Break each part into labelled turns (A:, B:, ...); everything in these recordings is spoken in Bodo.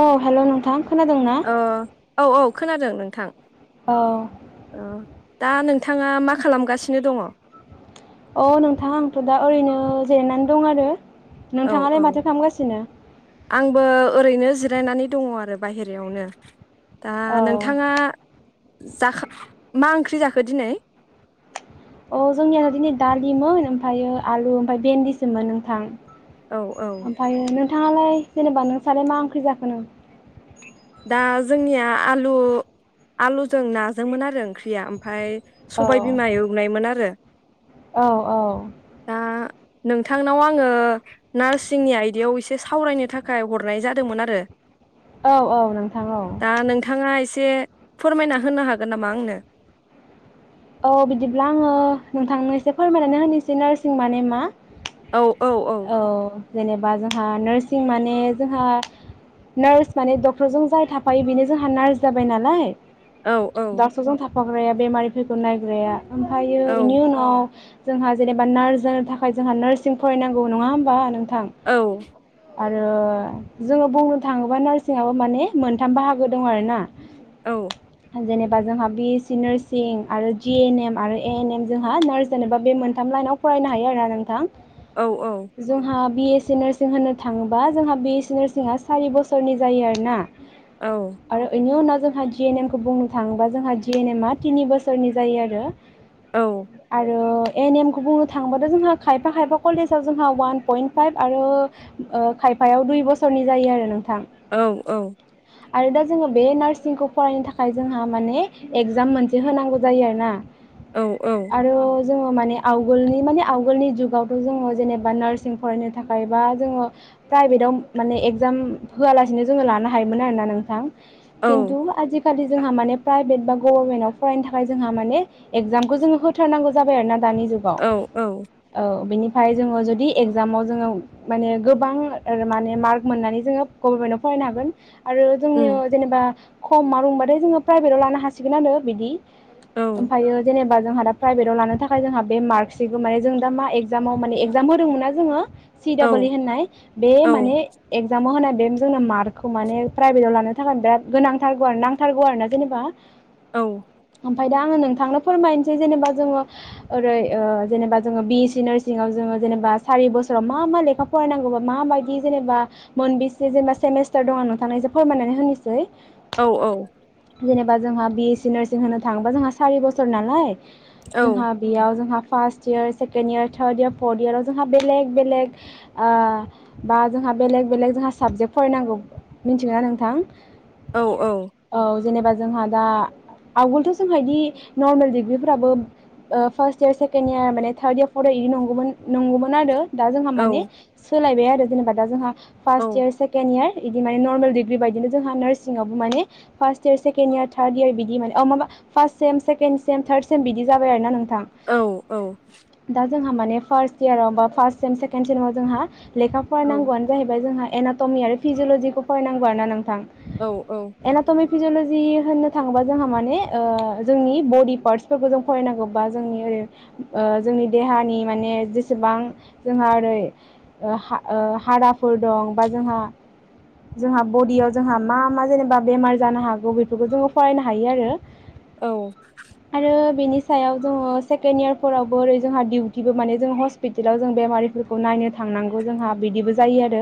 A: औ हेल' नों थां।
B: औ औ औ। खोनादों नोंथां।
A: औ
B: ओ दा नोंथाङा मा खालामगासिनो दङ?
A: अ नोंथाङा आंथ' दा ओरैनो जिरायनानै दं आरो
B: औ औ
A: नोंथाङालाय माथो खालामगासिनो?
B: आंबो ओरैनो जिरायनानै दङ आरो बाहेरायावनो दा
A: औ
B: नोंथाङा जाखा [unintelligible] मा ओंख्रि जाखो दिनै
A: अ जोंनिया दिनै दालिमोन ओमफ्रायो आलु ओमफ्राय भेन्दिसोमोन नोंथां
B: औ औ
A: ओमफ्रायो नोंथाङालाय जेनेबा नोंस्रालाय मा ओंख्रि जाखो नो
B: दा जोंनिया आलु आलुजों नाजोंमोन आरो ओंख्रिया ओमफ्राय
A: औ
B: सबाय बिमा एवनायमोन आरो
A: औ औ
B: दा नोंथांनाव आङो नार्सिंनि आयदायाव एसे सावरायनो थाखाय हरनाय जादोंमोन आरो
A: औ औ नोंथां औ
B: दा नोंथाङा एसे फोरमायना होनो हागोन नामा आंनो
A: औ बिदिब्ला आङो नोंथांनो एसे फोरमायनानै होनोसै नार्सिं माने मा
B: औ औ औ
A: जेनेबा जोंहा नार्सिं माने जोंहा नार्स माने डक्टरजों जाय थाफायो बेनो जोंहा नार्स जाबाय नालाय
B: औ औ
A: डाक्टारजों था फाग्राया बेमारि फोरखौ नायग्राया
B: औ
A: ओमफायो इनि उनाव जोंहा जेनेबा नार्स जानो थाखाय जोंहा नार्सिं फरायनांगौ नंङा होमबा नों
B: औ
A: आरो जोंङो बुंनो थांङोबा नार्सिंआबो माने मोनथाम बाहागो दं आरोना
B: औ
A: जेनेबा जोंहा बि ए सि नार्स सिं आरो जि एन एम आरो ए एन एम जोंहा नार्स जानोबा बे मोनथाम लाइनाव फरायनो हायो आरो ना नोंथां
B: औ औ
A: जोंहा बि ए सि नार्सिं होनो थांङोबा जोंहा बि ए सि नार्सिंआ सारि बोसोरनि जायो आर ना आरो इनि उनाव जोंहा जिएन एम खौ बुंनो थांङोबा जोंहा जिएन एमआ तिनि बोसोरनि जायो आरो
B: औ
A: आरो एन 'एम खौ बुंनो थांबाथ' जोंहा खायफा खायफा कलेजाव जोंहा अवान पयेन्ट फाइभ आरो खायफायाव दुइ बोसोरनि जायो आरो नोंथां।
B: औ औ
A: आरो दा जोंङो बे नार्सिंखौ फरायनो थाखाय जोंहा माने एगजाम मोनसे दि होनांगौ जायो आरोना
B: औ औ
A: जोंङो माने आवगोलनि माने आवगोलनि जुगावथ' जोंङो जेनेबा नार्सिं फरायनो थाखाय बा जोंङो प्राइभेटाव माने एगजाम होआलासिनो जोंङो लानो हायोमोन आरोना नोंथां
B: औ
A: खिन्थु आजि खालि जोंहा माने प्राइभेट बा गभारमेन्टआव फरायनो थाखाय जोंहा माने एगजामखौ जोंङो होथारनांगौ जाबाय आरो ना दानि जुगाव
B: औ
A: औ बिनि ओमफ्राय जोंङो जुदि एगजामाव जोंङो माने गोबां माने मार्क मोननानै जोंङो गभरमेन्टआव फरायनो हागोन आरो
B: उम
A: जोंनियाव जेनेबा खम मार्क मोनबाथाय जोंङो प्राइभेटाव लानो हासिगोन आरो बिदि
B: औ
A: ओमफायो जेने होमबा जोंहा दा प्राइभेटाव लानो थाखाय जोंहा बे मार्क सिखौ माने जों दा मा एकजामाव माने एक्जाम होदोंमोनना जोंङो सि
B: औ
A: डाबल इ होननाय बे
B: औ
A: माने एगजामाव होनाय बे जोंनो मार्कखौ माने प्राइभेटाव लानो थाखायनो बिराद गोनांथारगौ आरो नांथारगौ आरोना जेनेबा
B: औ
A: ओमफ्राय दा आंङो नोंथांनो फोरमायनोसै जेनेबा जोंङो ओरै ओ जेनेबा जोंङो बि ए सि नार्सिंआव जोंङो जेनेबा सारि बोसोराव मा मा लेखा फरायनांगौबा माबायदि जेनेबा मोनबेसे जेनेबा सेमेस्टार दं आं नोंथांनो एसे फोरमायनानै होनोसै
B: औ औ
A: जेनेबा जोंहा बि एस सि नार्सिं होननो थाङोबा जोंहा सारि बोसोर नालाय
B: औ
A: जोंहा बेयाव जोंहा first year second year third year fourth इयाराव जोंहा बेलेग-बेलेग ओ बा जोंहा बेलेक-बेलेग जोंहा साबजेक्ट फरायनांगौ मिथिगोना नोंथां?
B: औ
A: औ जेनेबा जोंहा दा आवगोलथ' जोंहा बिदि नरमेल दिडिग्रिफोराबो ओ फार्स्ट इयार सेकेणड इयार माने थार्द इयार फर्थ इार इदि नंगौमोन नंगौमोन आरो दा जोंहा माने सोलायबाय आरो जेनेबा दा जोंहा फार्स इयार सेकेणड इयार इदि माने नर्मेल डग्रि बायनो जोंहा नार्सिं आबो माने first year second year third year बिदि माने औ माबा first sem second sem third sem बिदि जाबाय आरो नों
B: औ औ
A: जोंहा माने फार्स्ट इयाराव बा फार्स्ट सेम सेकेणड सेमाव जोंहा लेखा फराय नांगौआनो जाहैबाय जोंहा एनाट'मि आरो फिजिअलज खौ फरायनांगौ आरो ना नोंथां।
B: औ औ
A: फिजिअल'जि होनो थाङोबा जोंहा मान ने जोंनि बडि पार्टसफोरखौ जों फरायनांगौ बा जोंनि ओरै ओ जोंनि देहानि माने जेसेबां जोंहा ओरै ओ हा ओजजझ हाराफोर दं बा जोंहा जोंहा बडियाव जोंहा मा मा जेनेबा बेमार जानो हागौ बेफोरखौ जोङो फरायनो हायो आरो
B: औ
A: आरो बेनि सायाव जोङो सेकेणड इयारफोरावबो ओरै जोंहा दिडिउटिबो माने जों हस्पिटेलाव जों बेमारिफोरखौ नायनो थांनांगौ जोंहा बिदिबो जायो आरो।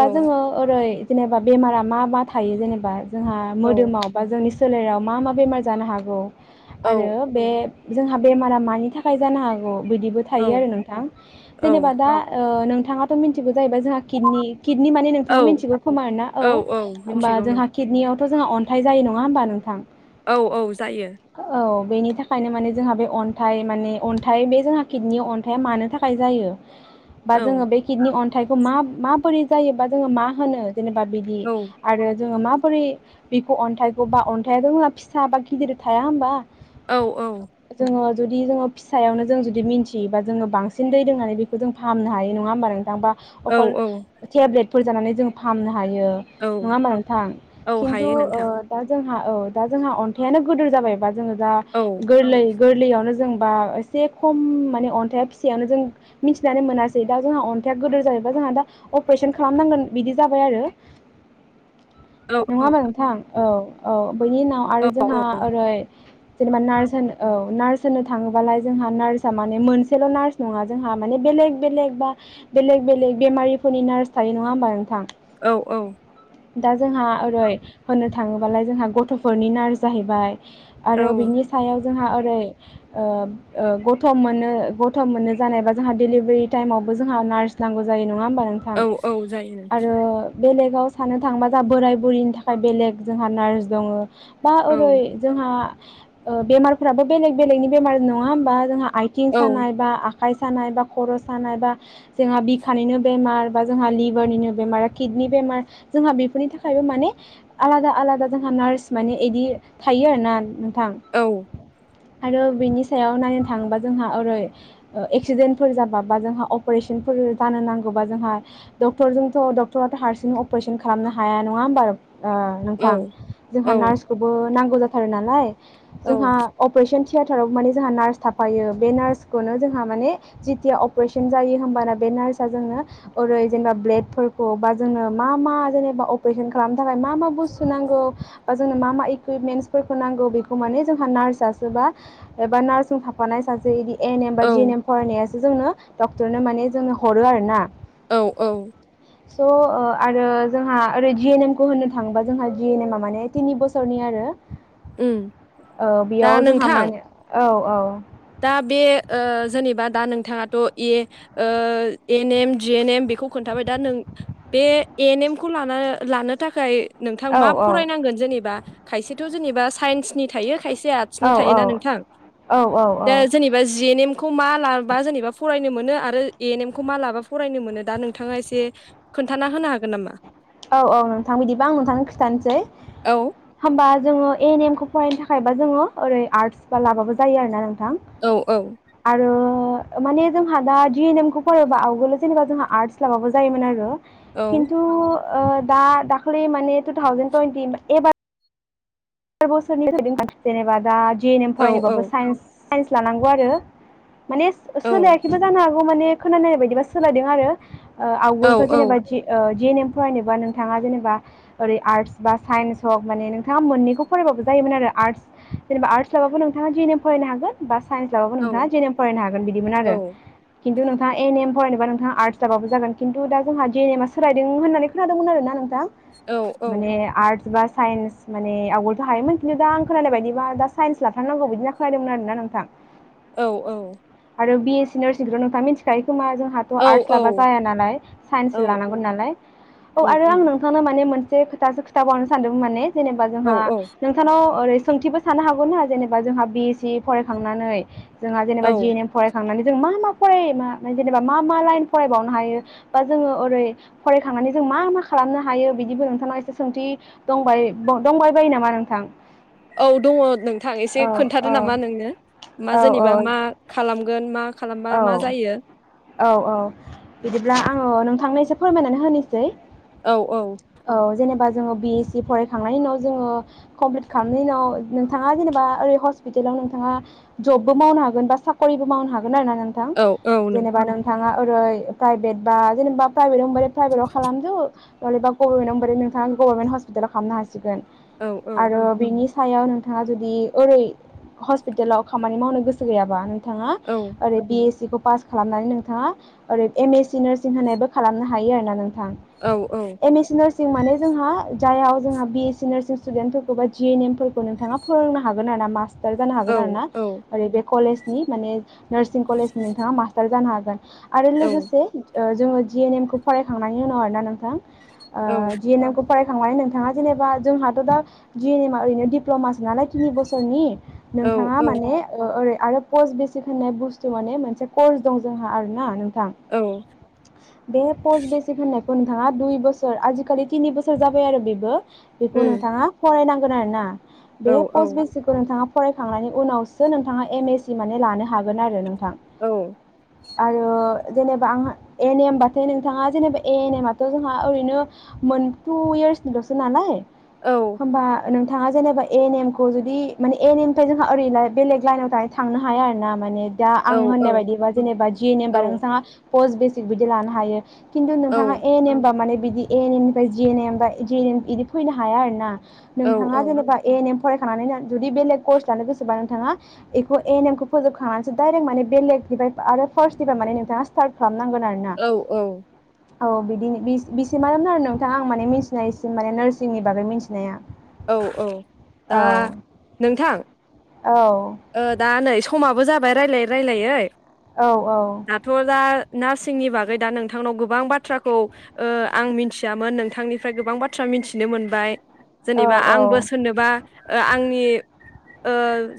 A: बा जोङो ओरै जेनेबा बेमारा मा मा थायो जेनेबा जोंहा मोदोमाव बा जोंनि सोलेराव मा मा बेमार जानो हागौ आरो बे जोंहा बेमारा मानि थाखाय जानो हागौ बिदिबो थायो आरो नोंथां जेनेबा दा ओ नोंथाङाथ' मिथिगौ जाहैबाय जोंहा किडनि किदनि माने
B: औ
A: नोंथाङा मिथिगौ खोमा आरोना औ होमबा जोंहा किदनियाव थ' जोंहा अन्थाइ जायो नङा होमबा नोंथां
B: औ औ जायो
A: औ बेनि थाखायनो माने जोंहा बे अन्थाइ माने अन्थाइ बे जोंहा किडनि अन्थाइ आ मानो थाखाय जायो
B: औ
A: बा जोङो बे किडनि अन थाइखौ मा माबोरै जायो बा जोङो मा होनो जेनेबा बिदि
B: औ
A: आरो जोंङो माबोरै बिखौ अन्थाइखौ बा अन्थाइ [unintelligible] फिसा बा गिदिर थाया होनोमबा
B: औ औ
A: जोंङो जुदि जोंङो फिसायावनो जों जुदि मिथियोबा जोङो बांसिन दै लोंनानै बेखौ जों फाहामनो हायो नङा होमबा नोंथां बा
B: औ
A: अखल
B: औ
A: टेब्लेद फोर जानानै जों फाहामनो हायो नंङा
B: औ
A: होमबा नोंथां
B: औ
A: खिन्थु
B: हायो नोंथां
A: दा जोंहा औ दा जोंहा अन्थाइआनो गोदोर जाबायबा जोंङो दा
B: औ
A: गोरलै गोरलैयावनो जों बा एसे खम माने अन्थाइआ फिसायावनो जों मिथिनानै मोनासै दा जोंहा अन्थाइया गोदोर जायोबा जोंहा दा अपारेशन खालामनांगोन बिदि जाबाय आरो
B: औ
A: नंङा
B: औ
A: होमबा नोंथां औ औ बनि उनाव
B: औ
A: आरो
B: औ
A: जोंहा ओरै जेनेबा नार्स होनो औ नार्स होनो थांङोबालाय जोंहा नार्सआ माने मोनसेल' नार्स नङा जोंहा माने बेलेग बेलेग बा बेलेग बेलेग बेमारिफोरनि नार्स थायो नङा होमबा नोंथां
B: औ औ
A: दा जोंहा ओरै होननो थांङोबालाय जोंहा गथ' गथ'फोरनि नार जाहैबाय आरो
B: औ
A: बिनि सायाव जोंहा ओरै गथ' गथ' मोननो जानायबा जोंहा देलिभारि टाइमावबो जोंहा नार्स नांगौ जायो ना नङा होमबा
B: औ
A: नोंथां
B: औ जायो नोंथां
A: आरो बेलेगाव सानो थांबा जोंहा बोराय बुरिनि थाखाय बेलेग जोंहा नार्स दङ [inaudible] दा
B: औ
A: ओरै जोंहा बेमारफोराबो बेलेग बेलेगनि बेमार नंङा होमबा जोंहा आइथिं
B: औ
A: सानाय बा आखाइ सानाय बा खर' सानाय बा जोंहा बिखानिनो बेमार बा जोंहा लिभारनिनो बेमार किडनि बेमार जोंहा बेफोरनि थाखायबो माने आलादा आलादा जोंहा नार्स माने बिदि थायो आर ना
B: औ
A: आरो बिनि सायाव नायनो थाङोबा जोंहा ओरै एक्सिडेन्टफोर जाबा बा जोंहा अपारेशनफोर जानो नांगौबा जोंहा डक्टरजोंथ' डक्टराथ' हारसिं अपारेसन खालामनो हाया नङा होमबा
B: औ
A: नोंथां जोंहा
B: औ
A: नार्सखौ नांगौ जाथारो नालाय जोंहा अपारेसन थियाेटाराव माने जोंहा नार्स थाफायो बे नार्सखौनो जोंहा माने जिथिया अपारेशन जायो होमबाना बे नार्सआ जोंनो ओरै जेनेबा ब्लेडफोरखौ बा जोंनो मा मा जेनेबा अपारेशन खालामनो थाखाय मा मा बुस्थु नांगौ बा जोंनो मा मा इकुइपमेन्टस फोरफोरखौ नांगौ बेखौ माने जोंहा नार्सआसोबा एबा नार्सजों थाफानाय सासे इदि एन एमबा जि एन एम फरायनाय जोंनो डक्टरनो माने जोंनो हरो आरो ना
B: औ औ
A: स' आरो जोंहा ओरै जि एन एम खौ होननो थाङोबा जोंहा जि एन एमा माने तिनि बोसोरनि आरो
B: उम दा
A: बेयाव जोंहा
B: नोंथां
A: माने औ औ
B: दा बे जेनेबा दा नोंथाङाथ' A N M G N M बेखौ खोन्थाबाय दा नों बे ए एन एम खौ ला लानो थाखाय नोंथां
A: औ
B: मा
A: औ
B: फरायनांगोन जेनेबा खायसेथ' जेनेबा साइन्सनि थायो थायसे आदसिनि
A: औ
B: थायोना नोंथां
A: औ
B: दा
A: औ
B: जेनेबा जि एन एम खौ मा लाबा जेनेबा फरायनो मोनो आरो ए एन एम खौ मा लाबा फरायनो मोनो दा नोंथाङा एसे खोन्थाना होनो हागोन नामा
A: औ औ नोंथां बिदिबा आं नोंथांनो खिथानोसै
B: औ
A: होमबा जोङो ए एन एम खौ फरायनो थाखायबा जोङो ओरै आर्टस बा लाबाबो जायो आरोना थां
B: औ औ
A: आरो माने जोंहा दा दि एन एम खौ फरायबा आवगोल जेनेबा जोंहा आर्टस लाबाबो जायोमोन आरो
B: औ
A: खिनथु दा दाख्लै माने टु थावजेन टुइन्टि एबार [unintelligible] जिएन एम
B: औ औ
A: फरायनोबाबो साइन्स साइन्स लानांगौ आरो माने सोलायाखैबो जानो हागौ माने खोनानायनाय बायदिबा सोलायदों आरो
B: औ
A: आवगलखौ जेनेबा जि एनएम फरायनोबा नोंथाङा जेनेबा ओरै आर्टस बा साइन्स हक माने नोंथाङा मोननैखौ फरायबाबो जायोमोन आरो आर्स जेनेबा आर्स लाब्लााबो नोंथाङा जि एम फरायनो हागोन बा साइन्स लाबाबो
B: औ
A: नोंथाङा जेनेम फरायनो हागोन बिदिमोन
B: औ
A: आरो खिन्थु नोंथाङा एन एम फरायनोबाोंथाङ आर्टस लाबाबो जागोन खिन्थु दा जोंहा जि एम आ सोलायदों होननानै खोनादों आरोना नोंथां माने आर्टस बा साइन्स माने आ गाहाय मिथिदों दा आं खोनायनाय बदिबा दा साइन्स लाथारनांगौ बिदि होनाय खोनादोंमोन आरोना नोंथां
B: औ औ
A: आरो बि एस सि नार्सिं खौथ' नोंथांआ मिथिखायो खा जोंहाथ'
B: औ
A: आर्टस लाबा जाया नालाय साइन्स
B: औ
A: लानांगोन
B: औ
A: नालाय औ
B: उम
A: आरो आं
B: उम
A: नोंथांनो माने मोनसे एसे खोथासो खोथाबावनो सानदों माने जेनेबा
B: औ
A: जोंहा
B: औ
A: थानाव ओरै सोंथिबो सानो हागौ ना जेनेबा जोंहा बि एस सि फरायखांनानै जोंहा जेनेबा
B: औ
A: जि एन एम फरायखांनानै जों मा मा फरायना मा जेनेबा मा मा लाइन फरायबावनो हायो बा जोङो ओरै फरायखांनानै जों मा मा खालामनो हायो बिदिबो नोंथांनाव एसे सोंथि दं दंबाय बायो नामा नों थां
B: औ दङ नोंथां एसे खोन्थादो
A: औ
B: नामा नोंनो मा
A: औ
B: जेनेबा मा
A: औ
B: खालाम गोन मा खालामबा
A: औ
B: मा जायो
A: औ औ बिदिब्ला आङो नों थांनो एसे फोरमायनानै होनोसै औ जेनेबा जोङो बि एस सि फरायखांनायनि उनाव जोङो कमप्लिट खालामनायनि उनाव नोंथाङा जेनेबा ओरै हस्पिटेलाव नोंथाङा जबबो मावनो हागोन बा साकरिबो मावनो हागोन आरो ना नोंथां
B: औ औ नों
A: जेनेबा नोंथाङा ओरै प्राइभेट बा जेनेबा प्राइभेट ओरै प्राइभेटाव खालामदो गभर्नमेन्टआव बोरै नोंथा गभर्मेन्ट हस्पिालाव खालामनो हासिगोन
B: औ
A: आरो बिनि सायाव नोंथाङा जुदि ओरै हस्पिटालाव खामानि मावनो गोसो गैयाबा नोंथाङा
B: औ
A: आरो बि एस सि खौ पास खालामनानै नोंथाङा ओरै एम ए सि नार्सिं होनायबो खालामनो हायो आरोना नोंथाङा
B: औ
A: एम ए सि नार्सिं माने जोंहा जायाव जोंहा बि एस सि नार्सिं स्टुडेन्टफोरखौ बा जि एन एमफोरखौ नोंथाङा फोरोंनो हागोन आरो ना मास सिटार जानो हागोन आरो
B: औ
A: ना ओरै बे कलेज नि माने नार्सिं कलेजनि नोंथाङा मास्टार जानो हागोन आरो
B: औ
A: लोगोसे ओ जोङो जि एन एम खौ फरायखांनायनि उनाव आरोना नोंथां
B: औ
A: ओ जि एन एम खौ फरायखांबाय नोंथाङा जेनेबा जोंहाथ' दा जि एन एमा ओरैनो दिप्ल'मासो नालाय थिनि बोसोरनि
B: औ
A: नोंथाङा
B: औ
A: माने ओ ओरै आरो पस बि फोथायनाय बुस्थु माने मोनसे कल दं जोंहा आरो ना नों थां
B: औ
A: बे पस बेसिक होननाय नोंथाङा दुइ बोसोर आजिखालि तिनि बोसोर जाबाय आरो बेबो बेखौ
B: उम
A: नोंथाङा फरायनां [unintelligible]
B: औ
A: बे
B: औ
A: पस्ट बेसिखौ नोंथाङा फरायखांनायनि उनावसो नोंथाङा एन एस सि माने लानो हागोन आरो नोंथा।
B: औ
A: आरो जेनेबा आंहा ए एन एमबाथाय नोंथाङा जेनेबा ए एन एम आथ' जोंहा ओरैनो मोन टु इयार्सनिल'सो नालाय
B: औ
A: होनबा ओ नोंथाङा जेनेबा ए नेम खौ जुदि माने ए नेम निफ्राय जोंहा ओरै बेलेग लाइनाव दायो थांनो हाया आ रोना माने दा
B: औ
A: आं
B: औ
A: होननाय बायदिबा जेनेबा जि
B: औ
A: एनेमबा नोंथाङा पस्ट बेसिक बिदि लानो हायो खिन्थु नोंथाङा ए नेमबा माने बिदि एन एम निफ्राय जे एन एम बा जे एन एम बिदि फैनो हाया आरो ना। नोंथाङा जेनेबा एन एम फरायखांनानै जुदि बेलेग कर्स लानो गोसोबा नोंथाङा बेखौ एन एमखौ फोजोबखांनानैसो डाइरेट माने बेलेग दिभाइब आरो फास्ट डिभाइभ नोंथा स्टार्ट खालाम नांगोन आरोना।
B: औ
A: औ बिदि बिसि-बिसिमानोमोन आरो नोंथां आं माने मिथिनायसिम माने नार्सिंनि बागै मिथिनाया।
B: औ औ दा
A: औ
B: नोंथां
A: औ
B: ओ दा नै समाबो जाबाय रायलायै रायलायै दाथ' जा- नार्सिंनि बागै दा नोंथांनाव गोबां बाथ्राखौ ओ आं मिथियामोन नोंथांनिफ्राय गोबां बाथ्रा मिथिनो मोनबाय।
A: औ
B: जेनेबा आंबो
A: औ
B: सोरनोबा ओ आंनि ओ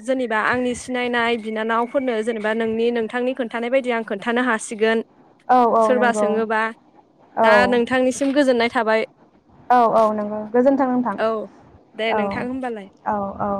B: जेनेबा आंनि सिनायनाय बिनानावफोरनो जेनेबा नोंनि नोंथांनि खोन्थानाय बायदि आं खोन्थानो हासिगोन।
A: औ औ
B: सोरबा
A: नंगौ
B: सोङोबा
A: औ
B: दा नोंथांनिसिम गोजोननाय थाबाय।
A: औ औ नोंगौ गोजोन्थों
B: औ दे
A: नोंथां औ
B: नोंथां होमबालाय
A: औ औ।